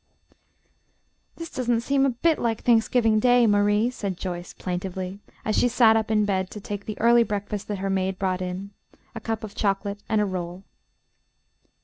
"This doesn't seem a bit like Thanksgiving Day, Marie," said Joyce, plaintively, as she sat up in bed to take the early breakfast that her maid brought in, a cup of chocolate and a roll.